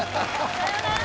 さようなら！